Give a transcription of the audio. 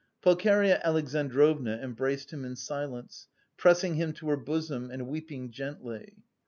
Pulcheria Alexandrovna embraced him in silence, pressing him to her bosom and weeping gently.